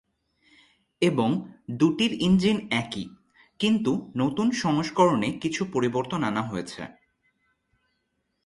এবং দুটির ইঞ্জিন একই কিন্তু নতুন সংস্করণে কিছু পরিবর্তন আনা হয়েছে।